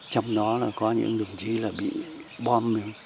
trong đó là có những đồng chí bị bom